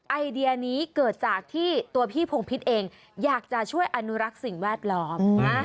ไอเดียนี้เกิดจากที่ตัวพี่พงพิษเองอยากจะช่วยอนุรักษ์สิ่งแวดล้อม